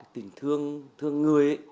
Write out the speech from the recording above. tình thương thương người ấy